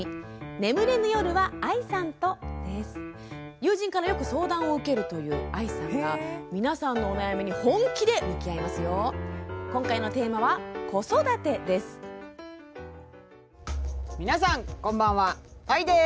友人から、よく相談を受けるというＡＩさんが皆さんのお悩みに本気で向き合います。